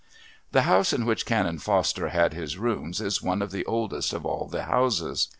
The house in which Canon Foster had his rooms is one of the oldest of all the houses.